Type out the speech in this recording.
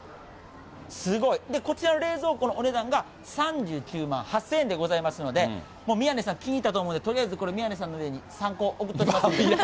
すごい。こちらの冷蔵庫のお値段が３９万８０００円でございますので、もう宮根さん、聞いたと思うんで、とりあえずこれ宮根さんの家に３個送っておきます。